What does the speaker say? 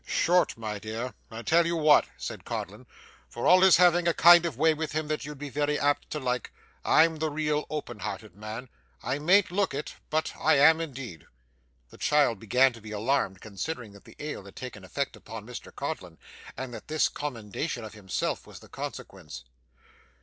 'Short, my dear. I tell you what,' said Codlin, 'for all his having a kind of way with him that you'd be very apt to like, I'm the real, open hearted man. I mayn't look it, but I am indeed.' The child began to be alarmed, considering that the ale had taken effect upon Mr Codlin, and that this commendation of himself was the consequence.